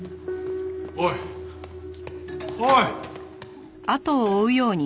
おいおい！